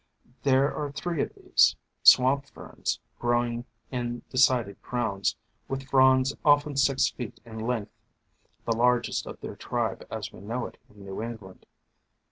There are three of these, swamp Ferns, growing in de cided crowns, with fronds often six feet in length, the largest of their tribe as we know it in New Eng land.